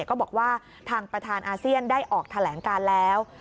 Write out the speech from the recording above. ก็บอกว่าทางประธานอาเซียนได้ออกแถลงการแล้ว